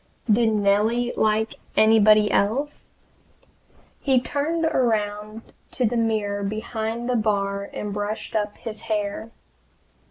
Did Nellie like anybody else? He turned around to the mirror behind the bar and brushed up his hair!